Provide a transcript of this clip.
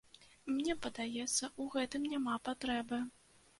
Мне падаецца, у гэтым няма патрэбы.